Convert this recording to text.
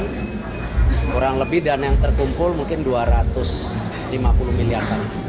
kurang lebih dana yang terkumpul mungkin dua ratus lima puluh miliar